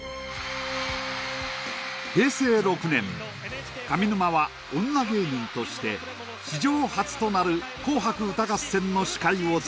平成６年上沼は女芸人として史上初となる「紅白歌合戦」の司会を務めた。